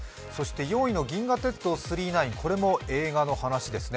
４位の「銀河鉄道９９９」も映画の話ですね。